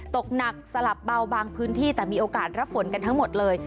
ตกหนักสลับเบาบางพื้นที่แต่มีโอกาสรับฝนกันทั้งหมดเลย